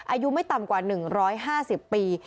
อายุไม่ต่ำกว่า๑๕๐ปี